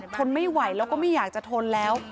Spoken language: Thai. ทนไม่ไหวแล้วก็ไม่อยากจะทนแล้ว